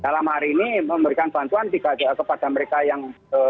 dalam hari ini memberikan bantuan kepada mereka yang